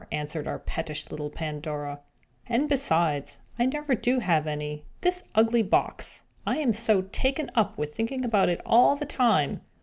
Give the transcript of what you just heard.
answered our pettish little Pandora. "And, besides, I never do have any. This ugly box! I am so taken up with thinking about it all the time.